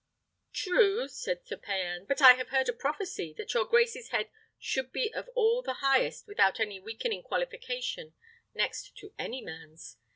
"True," said Sir Payan; "but I have heard a prophecy, that your grace's head should be of all the highest without any weakening qualification next to any man's.